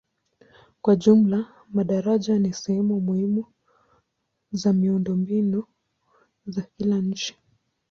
Kwa jumla madaraja ni sehemu muhimu za miundombinu ya kila nchi.